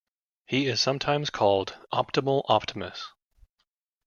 He is sometimes called Optimal Optimus.